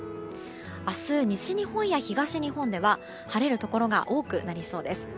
明日、西日本や東日本では晴れるところが多くなりそうです。